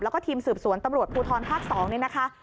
แล้วก็ทีมสืบสวนตำรวจภูทรภาค๒นี่นะคะ